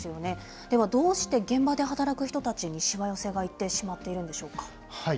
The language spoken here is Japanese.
ではどうして現場で働く人たちにしわ寄せがいってしまっているんでしょうか。